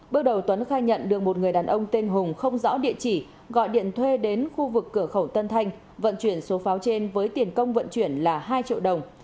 bước đầu tuấn khai nhận được một người đàn ông tên hùng không rõ địa chỉ gọi điện thuê đến khu vực cửa khẩu tân thanh vận chuyển số pháo trên với tiền công vận chuyển là hai triệu đồng